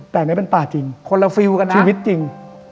แต่นี่เป็นปลาจริงชีวิตจริง